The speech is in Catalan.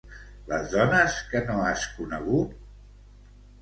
Les dones que no has conegut?